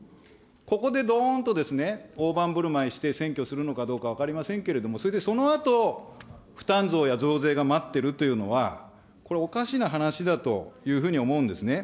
ここでどーんと大盤ぶるまいして、選挙するのかどうか分かりませんけれども、それでそのあと負担増や増税が待ってるというのは、これおかしな話だと思うんですね。